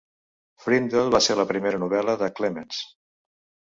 "Frindle" va ser la primera novel·la de Clements.